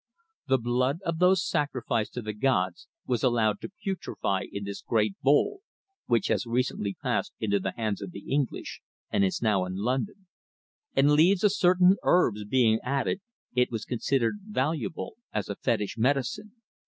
The blood of those sacrificed to the gods was allowed to putrefy in this great bowl which has recently passed into the hands of the English, and is now in London and leaves of certain herbs being added it was considered valuable as a fetish medicine.